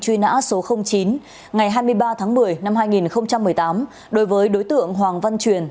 truy nã số chín ngày hai mươi ba tháng một mươi năm hai nghìn một mươi tám đối với đối tượng hoàng văn truyền